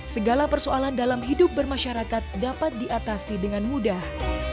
segala persoalan dalam hidup bermasyarakat dapat diatasi dengan mudah